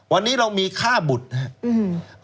วันนี้เรามีค่าบุตรนะครับ